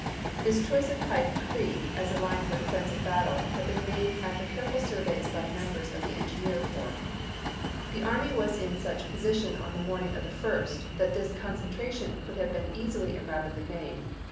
This choice of Pipe Creek as a line for defensive battle had been made after careful surveys by members of the en gineer corps. The army was in such position on the morning of the 1st that this concentration could July, ras. have been easily and rapidly made.